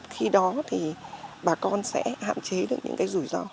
khi đó thì bà con sẽ hạn chế được những cái rủi ro